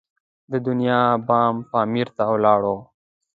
د دنیا بام پامیر ته ولاړو.